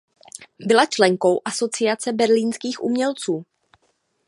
Byla členkou Asociace berlínských umělců.